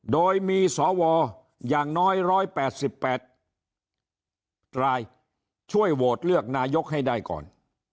โดยมีสวอย่างน้อยร้อยแปดสิบแปดกลายช่วยโหวตเลือกนายกให้ได้ก่อน